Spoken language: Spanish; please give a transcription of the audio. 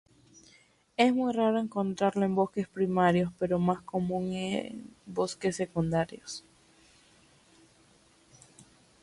Es muy raro encontrarla en bosques primarios, pero más común en bosques secundarios.